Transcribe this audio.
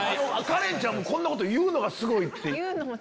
カレンちゃんも「こんなこと言うのがすごい」。